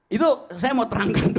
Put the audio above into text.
itu saya mau terangkan dulu